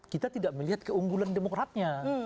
kita tidak melihat keunggulan demokratnya